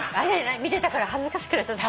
見てたから恥ずかしくなっちゃった。